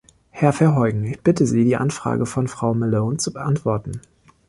Herr Verheugen, ich bitte Sie, die Anfrage von Frau Malone zu beantworten.